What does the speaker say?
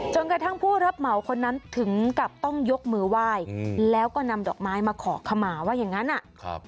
กระทั่งผู้รับเหมาคนนั้นถึงกับต้องยกมือไหว้แล้วก็นำดอกไม้มาขอขมาว่าอย่างนั้นอ่ะ